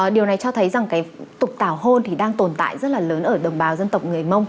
điều này cho thấy rằng cái tục tảo hôn thì đang tồn tại rất là lớn ở đồng bào dân tộc người mông